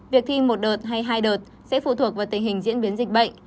việc thi một đợt hay hai đợt sẽ phụ thuộc vào tình hình diễn biến dịch bệnh